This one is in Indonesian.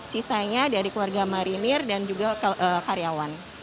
sisanya dari keluarga marinir dan juga karyawan